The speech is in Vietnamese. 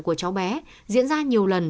của cháu bé diễn ra nhiều lần